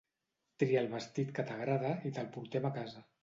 Tria el vestit que t'agrada i te'l portem a casa.